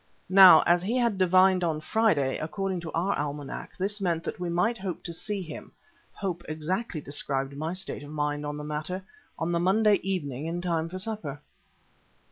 Now as he had divined on Friday, according to our almanac, this meant that we might hope to see him hope exactly described my state of mind on the matter on the Monday evening in time for supper.